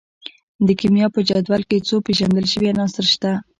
د کیمیا په جدول کې څو پیژندل شوي عناصر شته.